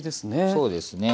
そうですね。